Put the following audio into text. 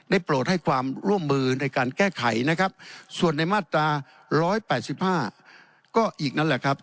โปรดให้ความร่วมมือในการแก้ไขนะครับส่วนในมาตรา๑๘๕ก็อีกนั่นแหละครับ